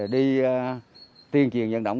đi tuyên truyền dân động